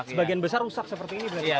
sebagian besar rusak seperti ini berarti